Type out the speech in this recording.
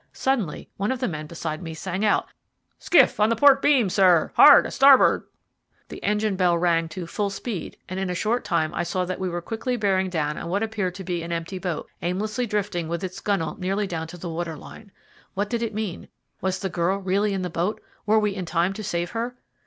Suddenly one of the men beside me sang out: "Skiff on the port beam, sir. Hard a starboard!" The engine bell rang to "full speed," and in a short time I saw that we were quickly bearing down on what appeared to be an empty boat, aimlessly drifting with its gunwale nearly down to the water line. What did it mean? Was the girl really in the boat? Were we in time to save her?